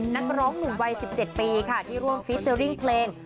นักร้องหนุ่มวัย๑๗ปีค่ะที่ร่วมฟีเจอร์ริ่งเพลง